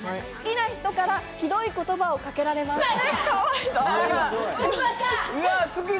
好きな人から、ひどい言葉をかけられます。